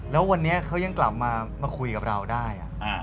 แล้ววันนี้เขายังกลับมาคุยกับเราได้